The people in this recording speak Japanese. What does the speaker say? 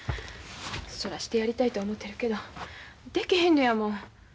そらしてやりたいとは思てるけどできへんのやもん。